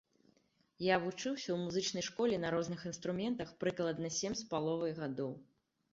Я вучыўся ў музычнай школе на розных інструментах прыкладна сем з паловай гадоў.